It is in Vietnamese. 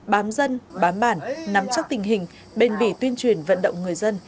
bám dân bám bản nắm chắc tình hình bền bỉ tuyên truyền vận động người dân